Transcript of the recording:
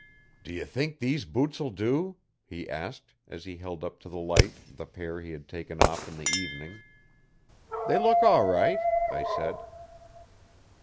'Do ye think these boots'll do?' he asked, as he held up to the light the pair he had taken off in the evening. 'They look all right,' I said.